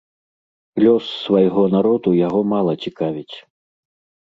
Лёс свайго народу яго мала цікавіць.